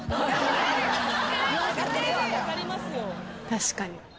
「確かに」